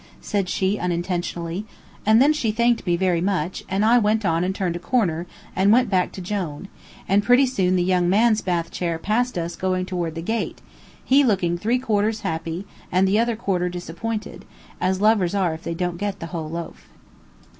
said she unintentionally; and then she thanked me very much, and I went on and turned a corner and went back to Jone, and pretty soon the young man's bath chair passed us going toward the gate, he looking three quarters happy, and the other quarter disappointed, as lovers are if they don't get the whole loaf.